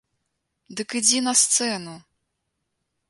Дык ідзі на сцэну!